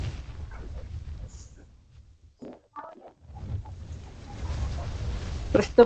প্রশ্নোত্তর পর্ব শুরু হল।